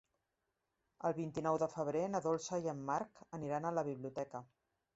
El vint-i-nou de febrer na Dolça i en Marc aniran a la biblioteca.